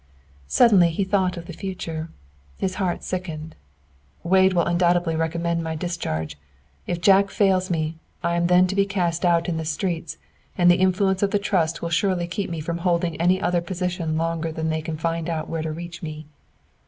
Suddenly he thought of the future. His heart sickened. "Wade will undoubtedly recommend my discharge. If Jack fails me, I am then to be cast out in the streets, and the influence of the Trust will surely keep me from holding any other position longer than they can find out where to reach me."